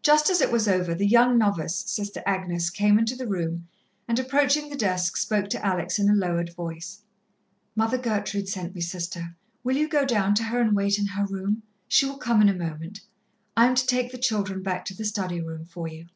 Just as it was over, the young novice, Sister Agnes, came into the room and, approaching the desk, spoke to Alex in a lowered voice: "Mother Gertrude sent me, Sister. Will you go down to her and wait in her room? She will come in a moment. I am to take the children back to the study room for you."